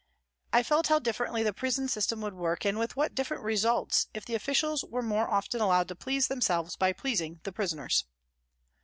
I felt how differently the prison system would work and with what different results if FROM THE CELLS 175 the officials were more often allowed to please them selves by pleasing their prisoners.